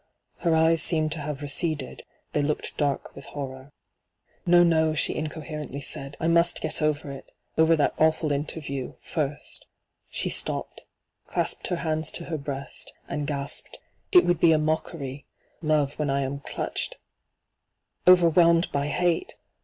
Her eyes seemed to have receded ; they looked dark with horror. ' No, no/ she incoherently said ;' I must get over it — over that awfiil interview — first 1' She stopped, clasped her hands to her breast, and gasped :' It would be a mockery — ^love, when I am clutched — overwhelmed by hate